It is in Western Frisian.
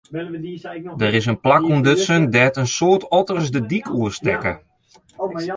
Der is in plak ûntdutsen dêr't in soad otters de dyk oerstekke.